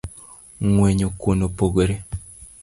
Ng’wenyo kuon opogore